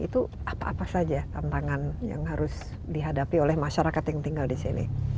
itu apa apa saja tantangan yang harus dihadapi oleh masyarakat yang tinggal di sini